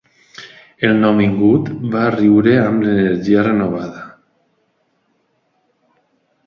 El nouvingut va riure amb l'energia renovada.